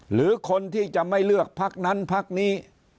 หรือคนที่จะไม่เลือกพักนั้นพักนี้